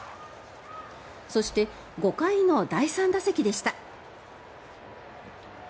そして、５回の第３打席でした。